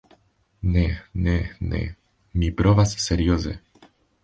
Ne, ne, ne... mi provas serioze...